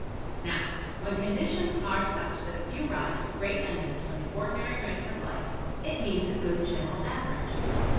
Now, when conditions are such that a few rise to great eminence from the ordinary ranks of life, it means a good general average.